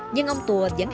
nhưng ông tùa vẫn hăng sức